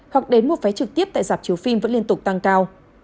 hoặc đến mua vé trực tiếp tại giảm chiếu phim vẫn liên tục tăng cao